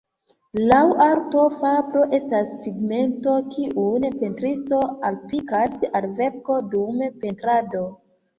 Laŭ arto, farbo estas pigmento kiun pentristo aplikas al verko dum pentrado.